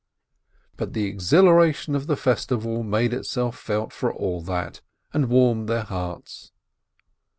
But the exhilaration of the festival made itself felt for all that, and warmed their hearts.